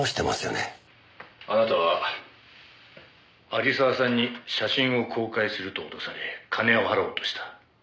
「あなたは有沢さんに写真を公開すると脅され金を払おうとした」